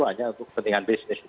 hanya untuk kepentingan bisnis